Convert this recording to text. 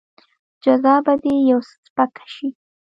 جزا به دې يو څه سپکه شي.